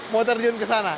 mau terjun ke sana